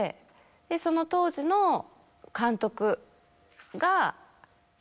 その当時の監督が。